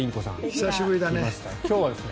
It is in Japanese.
久しぶりだね。